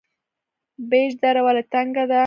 پیج دره ولې تنګه ده؟